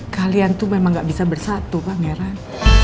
kalian tuh memang enggak bisa bersatu pak meran